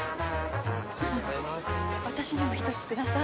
私にも１つください。